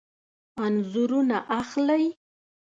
انځورونه اخلئ؟